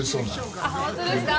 あっ、本当ですか。